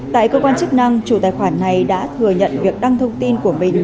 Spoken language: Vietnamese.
tại cơ quan chức năng chủ tài khoản này đã thừa nhận việc đăng thông tin của mình